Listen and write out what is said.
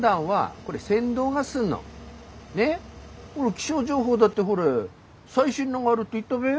気象情報だってほれ最新のがあるって言ったべ？